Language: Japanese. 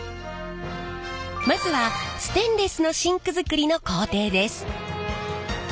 まずはステンレスのシンク作りの工程です。